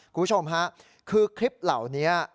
คุณผู้ชมฮะคือคลิปเหล่านี้